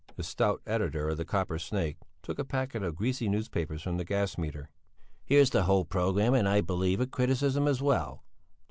The stout editor of the Copper Snake took a packet of greasy newspapers from the gas meter. "Here's the whole programme, and, I believe, a criticism as well."